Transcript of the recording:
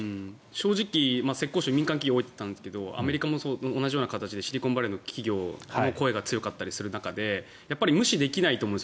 正直、浙江省は民間企業が多いという話でしたがアメリカも同じような形でシリコンバレーの企業が強かったりする中で無視できないと思うんです。